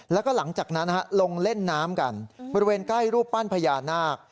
แล้วก็หลังจากนั้นลงเล่นน้ำกันบริเวณใกล้รูปปั้นพญานาค